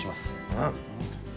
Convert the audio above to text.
うん。